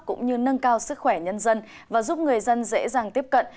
cũng như nâng cao sức khỏe nhân dân và giúp người dân dễ dàng tiếp cận